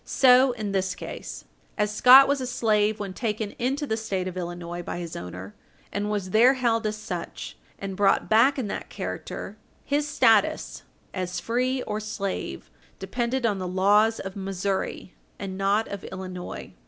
So in this case. As Scott was a slave when taken into the State of Illinois by his owner, and was there held as such, and brought back in that character, his status as free or slave depended on the laws of Missouri, and not of Illinois.